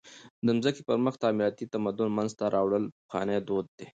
د مځکي پر مخ تعمیراتي تمدن منځ ته راوړل پخوانى دود دئ.